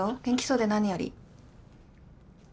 元気そうで何より。